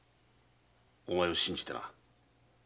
お前を信じてな。